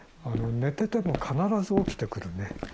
寝てても必ず起きてくるね。